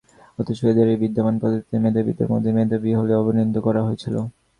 অথচ এঁদেরই বিদ্যমান পদ্ধতিতে মেধাবীদের মধ্যে মেধাবী বলে অভিনন্দিত করা হয়েছিল।